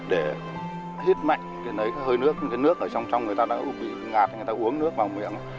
để hít mạnh để lấy hơi nước nước ở trong người ta đã bị ngạt người ta uống nước vào miệng